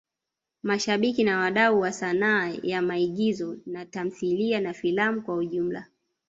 Mashabiki na wadau wa sanaa ya maigizo na tamthilia na filamu kwa ujumla